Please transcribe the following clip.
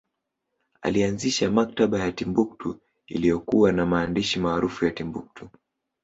Alianzisha maktaba ya Timbuktu iliyokuwa na maandishi maarufu ya Timbuktu